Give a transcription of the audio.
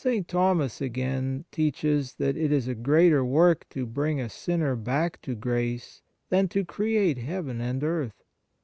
1 St. Thomas, again, teaches 2 that it is a greater work to bring a sinner back to grace than to create heaven and earth.